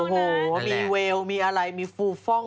โอ้โหมีเวลมีอะไรมีฟูฟ่อง